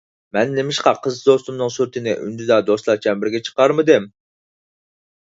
مەن نېمىشقا قىز دوستۇمنىڭ سۈرىتىنى ئۈندىدار دوستلار چەمبىرىكىگە چىقارمىدىم؟